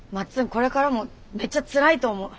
これからもめっちゃつらいと思う。